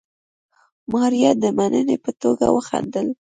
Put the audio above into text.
ماريا د مننې په توګه وخندل.